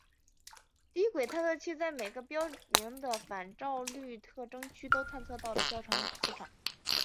低轨探测器在每个标明的反照率特征区都探测到了较强磁场。